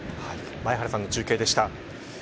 前原さんの中継でした。